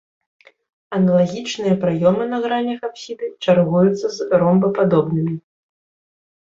Аналагічныя праёмы на гранях апсіды чаргуюцца з ромбападобнымі.